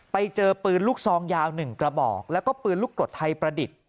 ไปเจอปืนลูกซองยาว๑กระบอกแล้วก็ปืนลูกกรดไทยประดิษฐ์